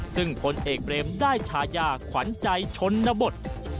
ซึ่งพลเอกเบรมได้ชายาขวัญใจชนบท